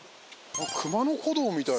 熊野古道みたい。